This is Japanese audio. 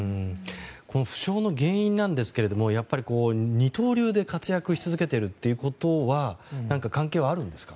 負傷の原因なんですけどもやっぱり二刀流で活躍し続けているということは関係はあるんですか。